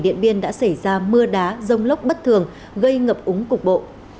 điện biên đã xảy ra mưa đá rông lốc bất thường gây ngập úng cục bộ